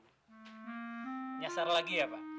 nyasar lagi ya pak